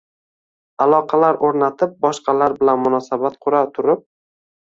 Aloqalar o‘rnatib, boshqalar bilan munosabat qura turib